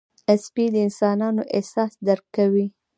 سپي د انسانانو احساس درک کوي.